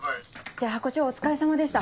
じゃハコ長お疲れさまでした。